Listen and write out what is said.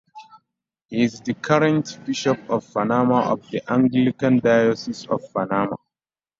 He is the current bishop of Panama of the Anglican Diocese of Panama.